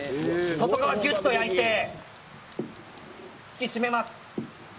外側ギュッと焼いて引き締めます。